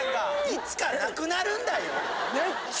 いつか無くなるんだよ？